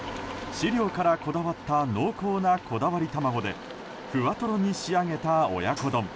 飼料からこだわった濃厚なこだわり卵でふわとろに仕上げた親子丼。